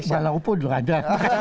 tapi jalau pun juga ada